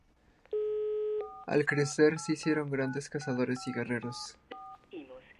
Al crecer se hicieron grandes cazadores y guerreros.